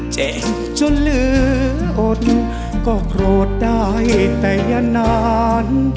เจ็บจนเหลืออดก็โกรธได้แต่อย่านาน